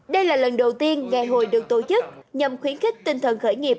đây là lần đầu tiên ngày hội được tổ chức nhằm khuyến khích tinh thần khởi nghiệp